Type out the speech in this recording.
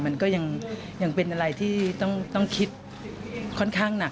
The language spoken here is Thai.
มันก็ยังเป็นอะไรที่ต้องคิดค่อนข้างหนัก